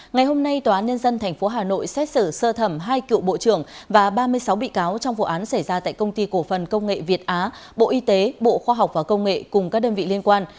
ngày hôm nay tòa án nhân dân tp hà nội xét xử sơ thẩm hai cựu bộ trưởng và ba mươi sáu bị cáo trong vụ án xảy ra tại công ty cổ phần công nghệ việt á bộ y tế bộ khoa học và công nghệ cùng các đơn vị liên quan